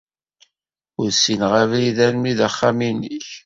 Ur ssineɣ abrid arma d axxam-nnek.